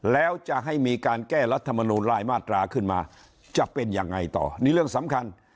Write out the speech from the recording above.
แล้วจะให้มีการแก้รัฐมนูลรายมาตราขึ้นมาจะเป็นยังไงต่อนี่เรื่องสำคัญ